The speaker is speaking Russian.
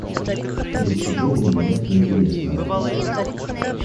Ничего в ней нет интересного!